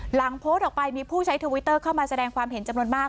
หลังโพสต์ออกไปมีผู้ใช้ทวิตเตอร์เข้ามาแสดงความเห็นจำนวนมาก